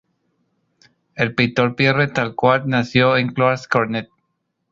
El pintor Pierre Tal Coat nació en Clohars-Carnoët.